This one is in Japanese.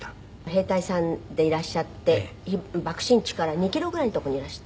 兵隊さんでいらっしゃって爆心地から２キロぐらいの所にいらした。